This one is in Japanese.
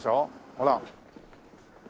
ほら。